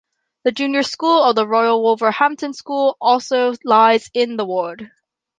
The Junior School of the Royal Wolverhampton School also lies in the ward.